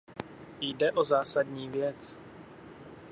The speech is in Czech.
Jde o zásadní věc.